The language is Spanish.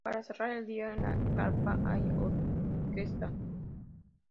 Para cerrar el día, en la carpa, hay orquesta.